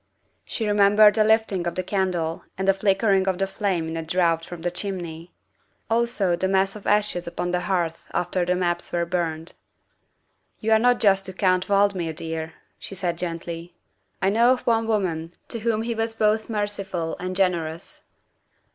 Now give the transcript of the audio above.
She remembered the lifting of the candle and the flickering of the flame in the draught from the chimney. Also the mass of ashes upon the hearth after the maps were burned. ''" You are not just to Count Valdmir, dear," she said gently. " I know of one woman to whom he was both merciful and generous."